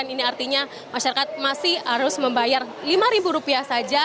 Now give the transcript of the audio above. ini artinya masyarakat masih harus membayar rp lima saja